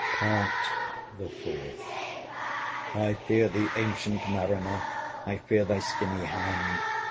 PART THE FOURTH. "I fear thee, ancient Mariner! I fear thy skinny hand!